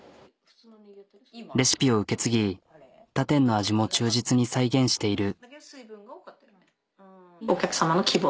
レシピを受け継ぎ他店の味も忠実に再現している。